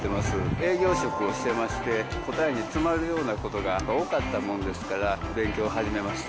営業職をしてまして、答えに詰まるようなことが多かったもんですから、勉強を始めました。